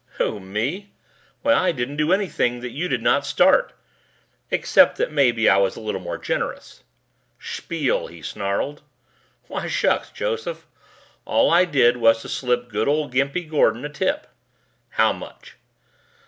"Who ... me? Why, I didn't do anything that you did not start except that maybe I was a little more generous." "Spiel!" he snarled. "Why, shucks, Joseph. All I did was to slip good old Gimpy Gordon a tip." "How much?"